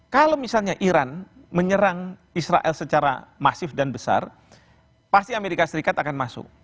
kalau misalnya iran menyerang israel secara masif dan besar pasti amerika serikat akan masuk